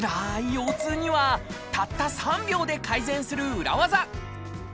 腰痛にはたった３秒で改善する裏技。